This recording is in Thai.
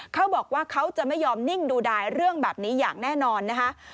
เขาบอกว่าเขาจะไม่ยอมนิ่งดูดายเรื่องแบบนี้อย่างแน่นอนนะคะ